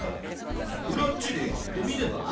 スクラッチでやってみれば？